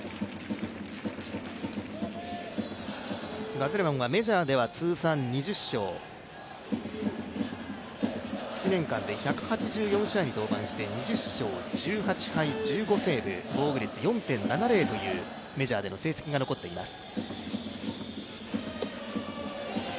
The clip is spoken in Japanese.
ガゼルマンはメジャーでは通算２０勝、７年間で１８４試合に登板して２０勝１８敗、１５セーブ防御率４．７０というメジャーでの成績が残っています。